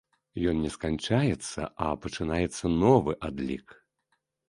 Ён не сканчаецца, а пачынаецца новы адлік.